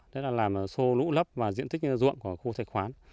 đó là làm sâu lũ lấp vào diện tích ruộng của khu thạch khoán